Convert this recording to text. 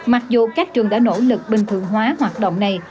mặc dù các trường đã nỗ lực bình thường hóa hoạt động này